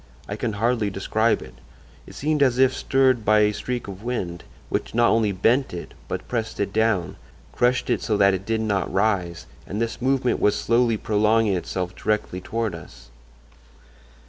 I can hardly describe it. It seemed as if stirred by a streak of wind, which not only bent it, but pressed it down—crushed it so that it did not rise; and this movement was slowly prolonging itself directly toward us.